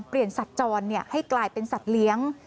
สัตว์จรให้กลายเป็นสัตว์เลี้ยง